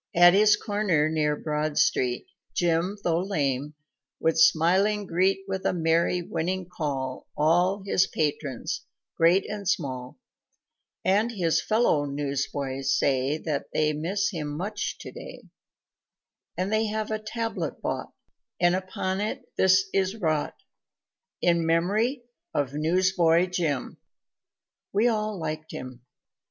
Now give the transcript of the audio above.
At his corner near Broad street, Jim, tho' lame, would smiling greet With a merry, winning call All his patrons, great and small, And his fellow newsboys say That they miss him much today, And they have a tablet bought, And upon it this is wrought: "In memory of Newsboy Jim, We all liked him."